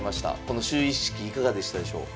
この就位式いかがでしたでしょう？